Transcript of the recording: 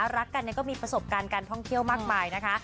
รักกันก็มีประสบการณ์การท่องเที่ยวมากมายนะคะ